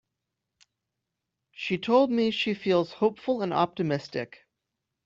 She told me she feels hopeful and optimistic.